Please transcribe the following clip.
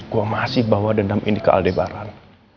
gue masih bawa dendam ini ke aldebaran